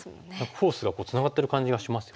フォースがツナがってる感じがしますよね。